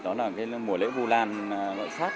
là mùa lễ vu lan gọi sát